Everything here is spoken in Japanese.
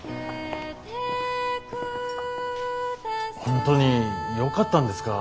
本当によかったんですか？